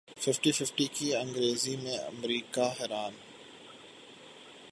fifty fifty کی انگریزی پر امریکی حیران